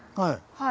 はい。